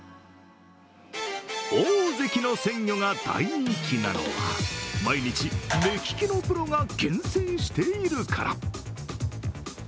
オオゼキの鮮魚が大人気なのは毎日、目利きのプロが厳選しているから。